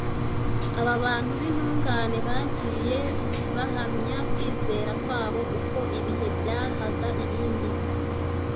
Aba bantu b’intungane bagiye bahamya kwizera kwabo uko ibihe byahaga ibindi,